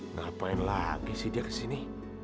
ngapain lagi sih dia kesini